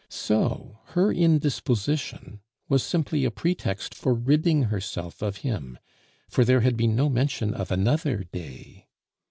So her indisposition was simply a pretext for ridding herself of him, for there had been no mention of another day!